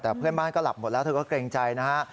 แต่เพื่อนบ้านก็หลับหมดแล้วเธอก็เกรงใจนะฮะ